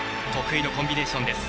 得意のコンビネーション。